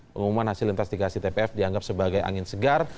pengumuman hasil investigasi tpf dianggap sebagai angin segar